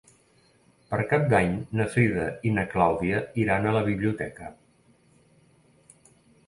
Per Cap d'Any na Frida i na Clàudia iran a la biblioteca.